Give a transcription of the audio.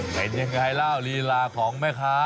เห็นอย่างไรแล้วลีลาของแม่ค้า